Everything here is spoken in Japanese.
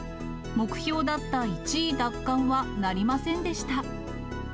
目標だった１位奪還はなりませんでした。